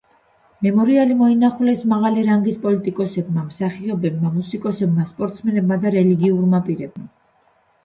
მემორიალი მოინახულეს მაღალი რანგის პოლიტიკოსებმა, მსახიობებმა, მუსიკოსებმა, სპორტსმენებმა და რელიგიურმა პირებმა.